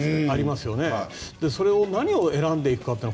それを何を選んでいくか。